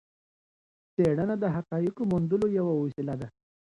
څېړنه د حقایقو موندلو یوه وسيله ده.